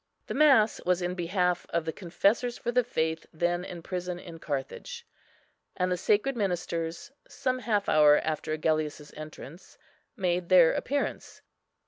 The mass was in behalf of the confessors for the faith then in prison in Carthage; and the sacred ministers, some half hour after Agellius's entrance, made their appearance.